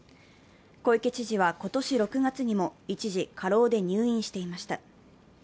小池知事は今年６月にも一時、過労で入院していました。